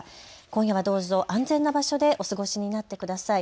今夜はどうぞ安全な場所でお過ごしになってください。